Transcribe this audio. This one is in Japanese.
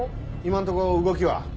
今んとこ動きは？